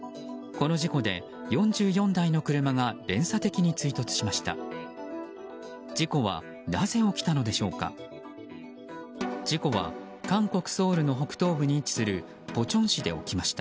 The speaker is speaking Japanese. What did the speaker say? この事故で４４台の車が連鎖的に追突しました。